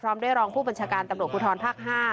ด้วยรองผู้บัญชาการตำรวจภูทรภาค๕